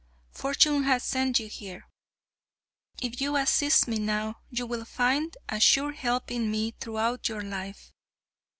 Fortune has sent you here. If you assist me now you will find a sure help in me throughout your life.